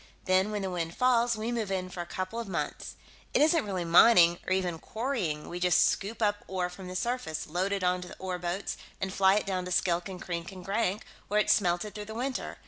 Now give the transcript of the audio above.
Then, when the winds fall, we move in for a couple of months. It isn't really mining, or even quarrying; we just scoop up ore from the surface, load it onto ore boats, and fly it down to Skilk and Krink and Grank, where it's smelted through the winter.